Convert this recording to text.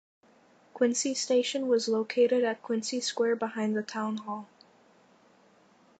Quincy station was located at Quincy Square behind the town hall.